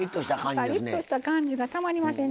カリッとした感じがたまりません。